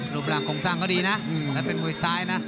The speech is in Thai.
รูปร่างโครงสร้างดีเป็นมวยซ้ายนะ